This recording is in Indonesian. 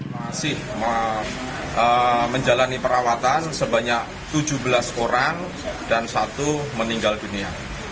masih menjalani perawatan sebanyak tujuh belas orang dan satu meninggal dunia